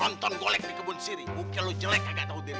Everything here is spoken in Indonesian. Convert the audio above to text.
tonton golek di kebun siri mungkin lo jelek kagak tahu diri